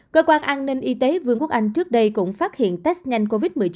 cơ quan an ninh y tế vương quốc anh trước đây cũng phát hiện test nhanh covid một mươi chín